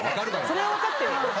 それは分かってよ。